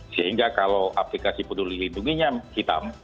sehingga kalau aplikasi peduli lindunginya hitam